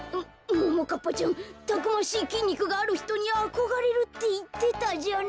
もももかっぱちゃんたくましいきんにくがあるひとにあこがれるっていってたじゃない。